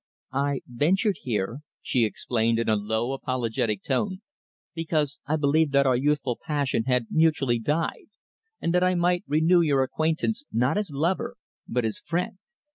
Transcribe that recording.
"I ventured here," she explained in a low, apologetic tone, "because I believed that our youthful passion had mutually died, and that I might renew your acquaintance not as lover but as friend.